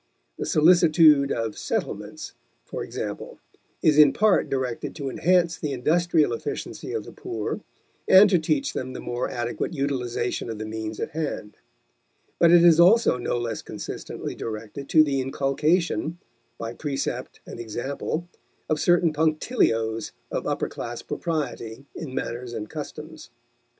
The solicitude of "settlements," for example, is in part directed to enhance the industrial efficiency of the poor and to teach them the more adequate utilization of the means at hand; but it is also no less consistently directed to the inculcation, by precept and example, of certain punctilios of upper class propriety in manners and customs.